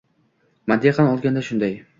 Mantiqan olganda shunday.